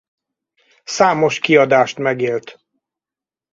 Számos kiadást megélt.